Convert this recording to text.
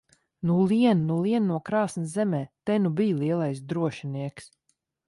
Nu, lien nu lien no krāsns zemē! Te nu bij lielais drošinieks!